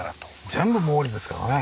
全部毛利ですからね。